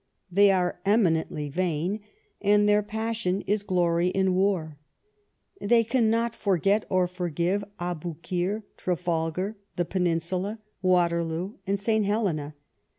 They are eminently vain, and their passion is glory in war. They cannot forget or forgive Aboukir, T^tafalgar, the Peninsula, Waterloo, and St. Helena.